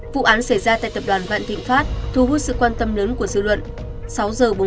vụ án xảy ra tại tập đoàn vạn thịnh pháp thu hút sự quan tâm lớn của dư luận